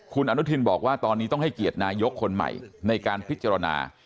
คุณอนุทินบอกว่าตอนนี้ต้องให้เกียรตินายกคนใหม่ในการพิจารณา